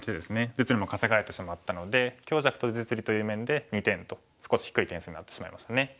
実利も稼がれてしまったので強弱と実利という面で２点と少し低い点数になってしまいましたね。